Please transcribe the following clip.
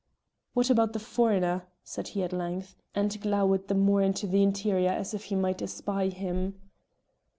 "What about the foreigner?" said he at length, and glowered the more into the interior as if he might espy him.